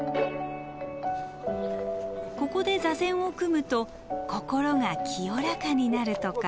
ここで座禅を組むと心が清らかになるとか。